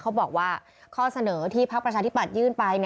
เขาบอกว่าข้อเสนอที่พักประชาธิบัตยื่นไป